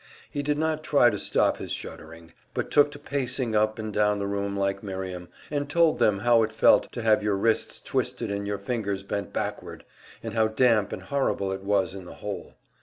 He did not try to stop his shuddering, but took to pacing up and down the room like Miriam, and told them how it felt to have your wrists twisted and your fingers bent backward, and how damp and horrible it was in the "hole."